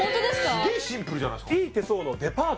すげえシンプルじゃないですかえっ